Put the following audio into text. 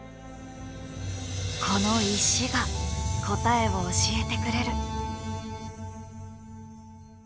この石が答えを教えてくれる。